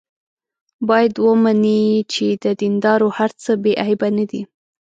باید ومني چې د دیندارو هر څه بې عیبه نه دي.